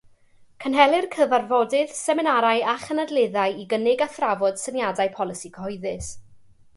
Cynhelir cyfarfodydd, seminarau a chynadleddau i gynnig a thrafod syniadau polisi cyhoeddus.